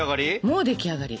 もうでき上がり。